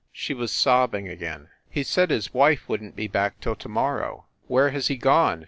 She was sobbing again. "He said his wife wouldn t be back till to mor row." "Where has he gone?"